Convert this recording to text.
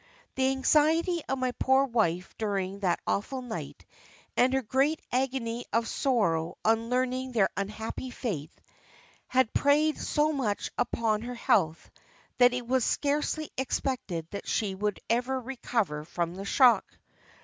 The anxiety of my poor wife during that awful night, and her great agony of sorrow on learning their unhappy fate, had preyed so much upon her health that it was scarcely expected that she would ever recover from the shock.